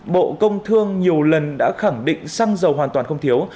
bộ công thương nhiều lần đã khẳng định xăng dầu hoàn toàn không thiếu